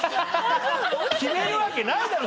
決めるわけないだろ！